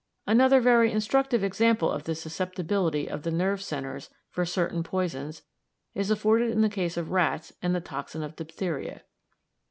Another very instructive example of this susceptibility of the nerve centres for certain poisons is afforded in the case of rats and the toxin of diphtheria.